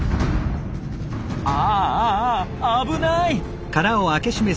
ああ危ない！